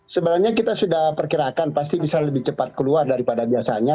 sebenarnya kita sudah perkirakan pasti bisa lebih cepat keluar daripada biasanya